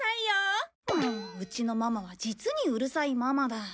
もううちのママは実にうるさいママだ。